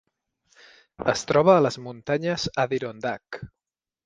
Es troba a les Muntanyes Adirondack.